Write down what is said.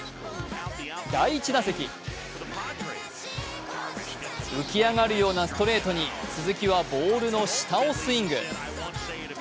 第１打席浮き上がるようなストレートに鈴木はボールの下をスイング。